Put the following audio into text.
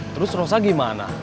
terus rosa gimana